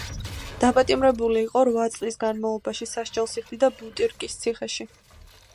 დაპატიმრებული იყო რვა წლის განმავლობაში, სასჯელს იხდიდა ბუტირკის ციხეში.